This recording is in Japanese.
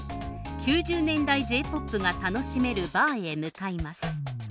９０年代Ｊ−ＰＯＰが楽しめるバーへ向かいます。